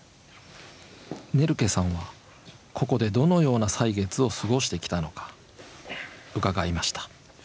ネルケさんはここでどのような歳月を過ごしてきたのか伺いました。